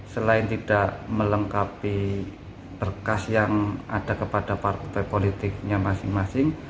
selain tidak melengkapi berkas yang ada kepada partai politiknya masing masing